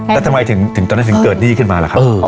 แต่ทำไมตอนนั้นถึงเกิดนี้ขึ้นมา